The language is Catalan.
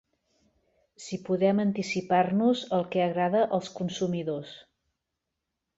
Si podem anticipar-nos al que agrada als consumidors.